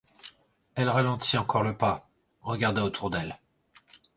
Elle ralentit encore le pas, regarda autour d'elle.